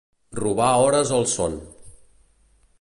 Robar hores al son.